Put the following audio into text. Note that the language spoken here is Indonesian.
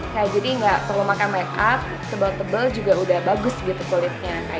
kayak gini gak perlu makan makeup sebal tebel juga udah bagus gitu kulitnya